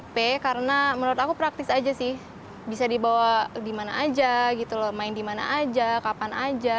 bermain game di smartphone